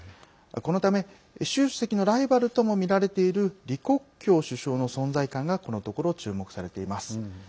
このため、習主席のライバルともみられている李克強首相の存在感がこのところ注目されています。